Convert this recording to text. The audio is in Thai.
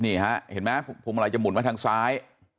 นี่เห็นไหมพวงมาลัยจะหมุนไปทางซ้าย